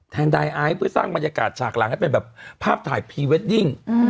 ไดไอซ์เพื่อสร้างบรรยากาศฉากหลังให้เป็นแบบภาพถ่ายพรีเวดดิ้ง